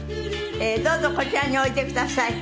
どうぞこちらにおいでください。